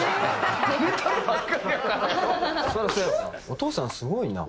お父さんすごいね。